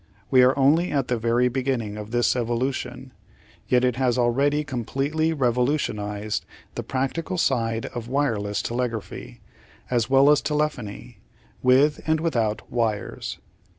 We are only at the very beginning of this evolution, yet it has already completely revolutionised the practical side of wireless telegraphy, as well as telephony, with and without wires."